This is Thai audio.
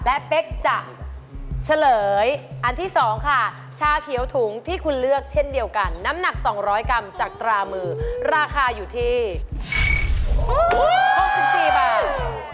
และเป๊กจะเฉลยอันที่๒ค่ะชาเขียวถุงที่คุณเลือกเช่นเดียวกันน้ำหนัก๒๐๐กรัมจากตรามือราคาอยู่ที่๖๔บาท